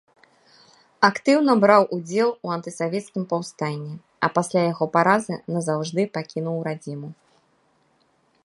Актыўна браў удзел у антысавецкім паўстанні, а пасля яго паразы назаўжды пакінуў радзіму.